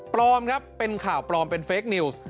ครับเป็นข่าวปลอมเป็นเฟคนิวส์